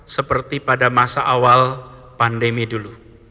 seperti pada masa awal pandemi dulu